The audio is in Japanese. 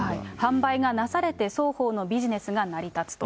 販売がなされて、双方のビジネスが成り立つと。